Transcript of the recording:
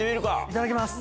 いただきます